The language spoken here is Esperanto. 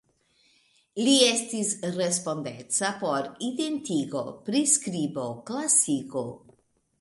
Li estis respondeca por identigo, priskribo, klasigo.